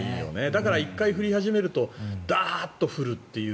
だから１回降り始めるとダーッと降り始めるという。